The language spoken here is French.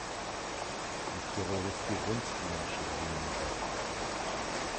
Il serait resté vingt-six ans chez les dominicains.